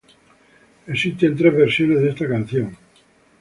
Existen tres versiones de esta canción.